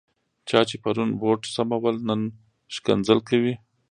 چا چې پرون بوټ سمول، نن کنځل کوي.